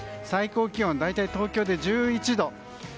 最高気温、大体東京で１１度。